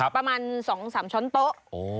ประมาณ๒๓ช้อนโต๊ะ